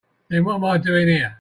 Then what am I doing here?